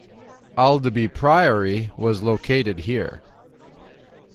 Aldeby Priory was located here.